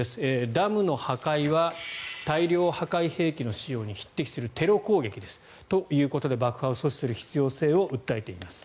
ダムの破壊は大量破壊兵器の使用に匹敵するテロ攻撃ですということで爆破を阻止する必要性を訴えています。